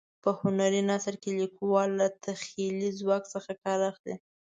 په هنري نثر کې لیکوال له تخیلي ځواک څخه کار اخلي.